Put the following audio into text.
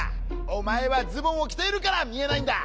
おまえはズボンをきているからみえないんだ。